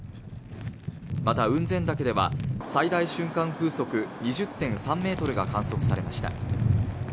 また雲仙岳では最大瞬間風速２０．３メートルが観測されました